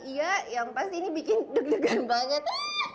iya yang pasti ini bikin deg degan banget